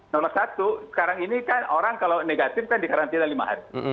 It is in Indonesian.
nomor satu sekarang ini kan orang kalau negatif kan dikarantina lima hari